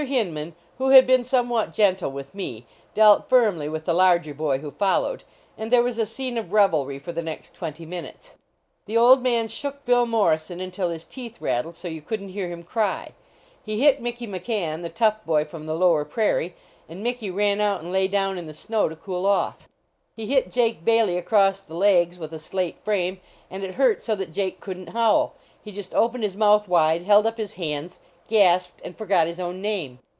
Hinman, who had been somewhat gen tle with me, dealt firmly with the lar^i T boy who followed, and there was a scene of revelry for the next twenty minutes. The old man shook Bill Morrison until his teeth rattled so you couldn t hear him cry. 1 It hit Mickey McCann, the tough boy from the Lower Prairie, and Mickey ran out and lax down in tjhe snow to cool off. He hit Jake 263 THE STRIKE AT IIINMAVS Bailey across the legs with a slate frame, and it hurt so that Jake couldn t howl he just opened his mouth wide, held up his hands, gasped, and forgot his own name.